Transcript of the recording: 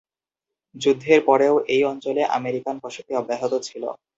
যুদ্ধের পরেও এই অঞ্চলে আমেরিকান বসতি অব্যাহত ছিল।